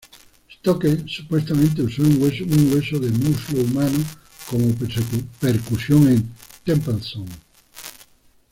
Stokes supuestamente usó un hueso de muslo humano como percusión en "Temple Song".